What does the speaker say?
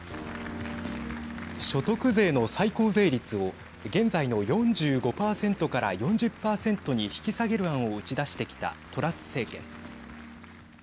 所得税の最高税率を現在の４５％から４０％に引き下げる案を打ち出してきたトラス政権。